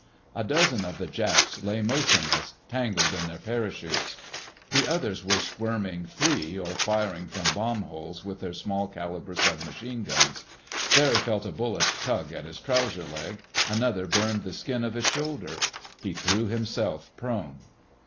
A dozen of the Japs lay motionless, tangled in their parachutes. The others were squirming free, or firing from bombholes with their small caliber sub machine guns. Barry felt a bullet tug at his trouser leg; another burned the skin of his shoulder. He threw himself prone.